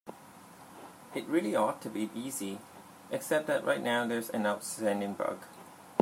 It really ought to be easy, except that right now there's an outstanding bug.